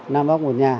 nam bắc một nhà